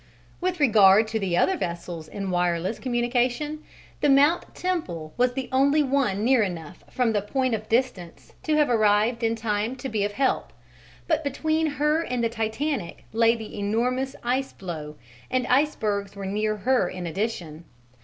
With regard to the other vessels in wireless communication, the Mount Temple was the only one near enough from the point of distance to have arrived in time to be of help, but between her and the Titanic lay the enormous ice floe, and icebergs were near her in addition.